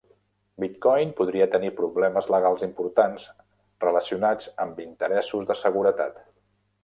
Bitcoin podria tenir problemes legals importants relacionats amb interessos de seguretat.